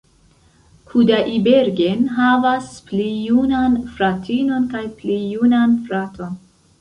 Kudaibergen havas pli junan fratinon kaj pli junan fraton.